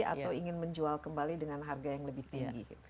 atau ingin menjual kembali dengan harga yang lebih tinggi